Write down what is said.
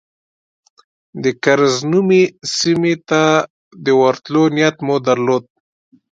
د کرز نومي سیمې ته د ورتلو نیت مو درلود.